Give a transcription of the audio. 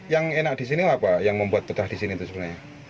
yang enak di sini apa yang membuat bedah di sini itu sebenarnya